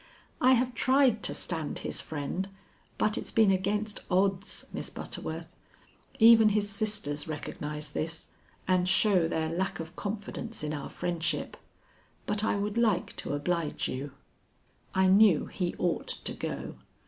I have tried to stand his friend, but it's been against odds, Miss Butterworth. Even his sisters recognize this, and show their lack of confidence in our friendship. But I would like to oblige you." I knew he ought to go.